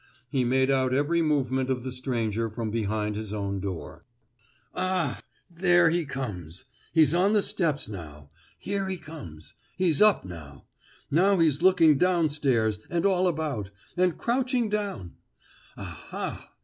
He made out every movement of the stranger from behind his own door. "Ah!—there he comes!—he's on the steps now!—here he comes!—he's up now!—now he's looking down stairs and all about, and crouching down! Aha!